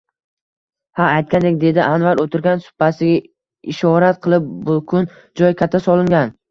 Ha, aytgandek, – dedi Anvar o’tirgan supasiga ishorat qilib, – bukun joy katta solingan?